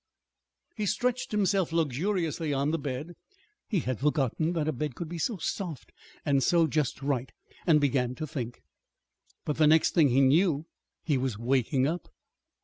He stretched himself luxuriously on the bed (he had forgotten that a bed could be so soft and so "just right") and began to think. But the next thing he knew he was waking up.